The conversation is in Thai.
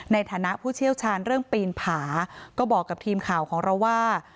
ในฐานะผู้เชี่ยวชาญเรื่องปีนผาก็บอกกับทีมข่าวของเราว่า